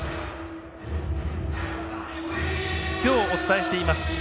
きょう、お伝えしています